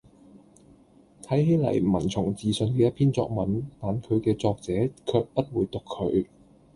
睇起嚟文從字順嘅一篇作文，但佢嘅作者卻不會讀佢